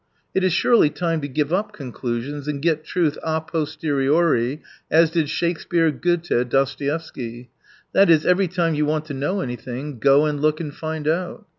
It is surely time to give up conclusions, and get truth a posteriori, as did Shakspeare, Goethe, Dostoevsky ; that is, every time you want to know anything, go and look and find out.